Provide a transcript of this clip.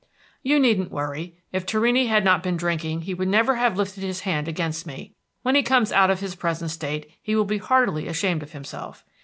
"You needn't worry. If Torrini had not been drinking he would never have lifted his hand against me. When he comes out of his present state, he will be heartily ashamed of himself.